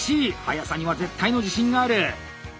速さには絶対の自信がある！